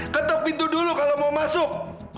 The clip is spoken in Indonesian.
ketuk pintu dulu kalau ingin masuk